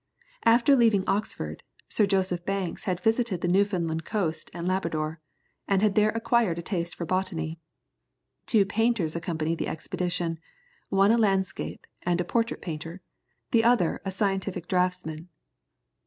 After leaving Oxford, Sir Joseph Banks had visited the Newfoundland coast and Labrador, and had there acquired a taste for botany. Two painters accompanied the expedition, one a landscape and portrait painter, the other a scientific draughtsman.